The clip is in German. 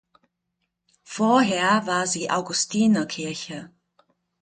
Vorher war sie Augustinerkirche.